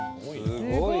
すごい！